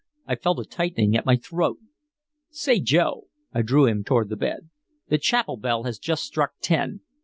I felt a tightening at my throat. "Say, Joe." I drew him toward the bed. "The chapel bell has just struck ten.